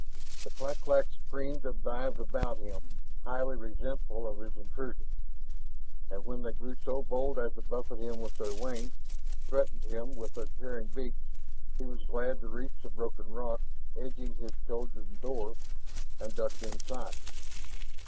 The clak claks screamed and dived about him, highly resentful of his intrusion. And when they grew so bold as to buffet him with their wings, threaten him with their tearing beaks, he was glad to reach the broken rock edging his chosen door and duck inside.